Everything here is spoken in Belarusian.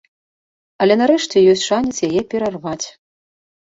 Але нарэшце ёсць шанец яе перарваць.